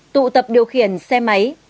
tụ tập điều khiển xe máy